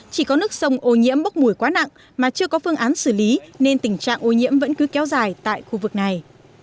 chỉ có nước sông ô nhiễm bốc mùi quá nặng mà chưa có phương án xử lý nên tình trạng ô nhiễm vẫn cứ kéo dài tại khu vực này